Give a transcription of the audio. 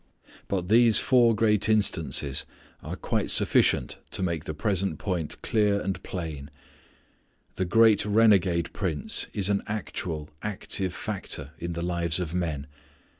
But these four great instances are quite sufficient to make the present point clear and plain. This great renegade prince is an actual active factor in the lives of men.